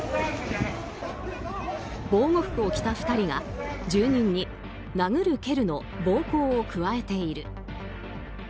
防護服を着た２人が住人に殴る蹴るの暴行を加えている。